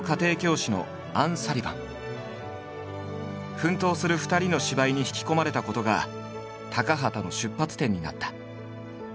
奮闘する２人の芝居に引き込まれたことが高畑の出発点になった。